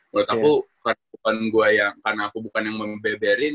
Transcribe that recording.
menurut aku bukan karena aku bukan yang membeberin